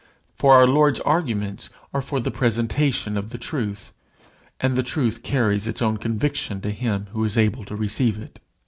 For our Lord's arguments are for the presentation of the truth, and the truth carries its own conviction to him who is able to receive it.